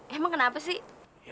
emang kenapa sih